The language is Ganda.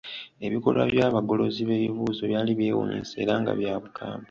Ebikolwa by'abagolozi b'ebibuuzo byali byewuunyisa era nga bya bukambwe.